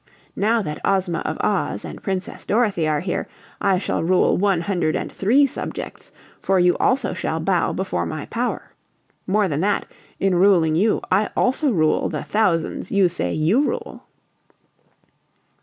Now that Ozma of Oz and Princess Dorothy are here, I shall rule one hundred and three subjects, for you also shall bow before my power. More than that, in ruling you I also rule the thousands you say you rule."